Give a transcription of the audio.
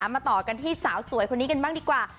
มาต่อกันที่สาวสวยคนนี้กันบ้างดีกว่า